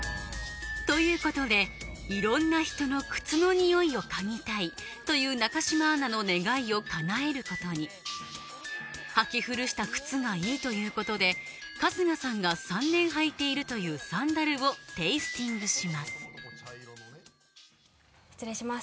ということでいろんな人の靴のニオイを嗅ぎたいという中島アナの願いをかなえることに履き古した靴がいいということで春日さんが３年履いているというサンダルをテイスティングします失礼します。